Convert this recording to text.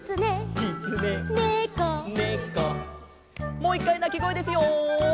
もう１かいなきごえですよ！